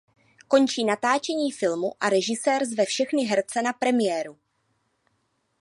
Končí natáčení filmu a režisér zve všechny herce na premiéru.